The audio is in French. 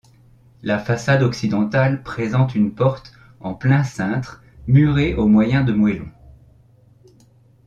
La façade occidentale présente une porte en plein cintre murée au moyen de moellons.